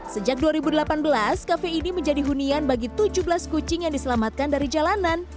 sejak dua ribu delapan belas kafe ini menjadi hunian bagi tujuh belas kucing yang diselamatkan dari jalanan